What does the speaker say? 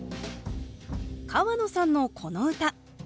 川野さんのこの歌。